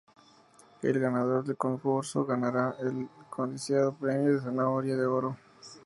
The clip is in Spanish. El ganador del concurso ganará el codiciado premio de zanahoria de oro.